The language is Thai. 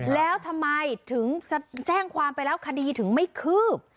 แล้วทำไมถึงจะแจ้งความไปแล้วคดีถึงไม่คืบ